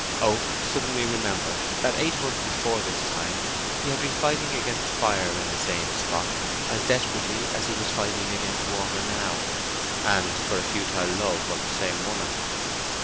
Oak suddenly remembered that eight months before this time he had been fighting against fire in the same spot as desperately as he was fighting against water now—and for a futile love of the same woman.